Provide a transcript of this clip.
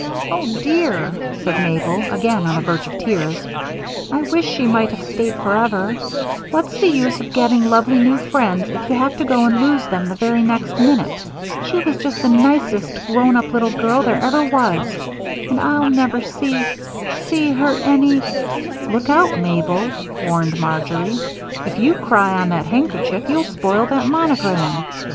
"Oh, dear," said Mabel, again on the verge of tears, "I wish she might have stayed forever. What's the use of getting lovely new friends if you have to go and lose them the very next minute? She was just the nicest grown up little girl there ever was, and I'll never see see her any " "Look out, Mabel," warned Marjory, "if you cry on that handkerchief you'll spoil that monogram.